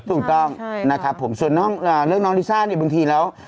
ถูกต้องนะครับผมส่วนเรื่องน้องลิซ่าเนี่ยบางทีแล้ว